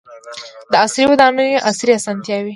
• د عصري ودانیو عصري اسانتیاوې.